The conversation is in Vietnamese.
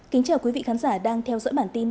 kính chào quý vị khán giả đang theo dõi bản tin